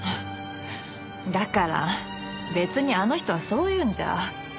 だから別にあの人はそういうんじゃ。